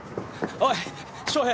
おい翔平！